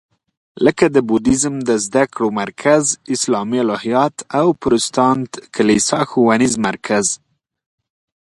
لکه د بودیزم د زده کړو مرکز، اسلامي الهیات او پروتستانت کلیسا ښوونیز مرکز.